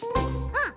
うん！